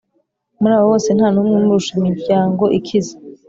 murabo bose ntanumwe umurusha imiryango ikize